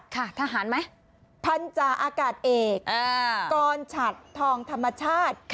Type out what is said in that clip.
ทหารไหมพันธาอากาศเอกกรฉัดทองธรรมชาติ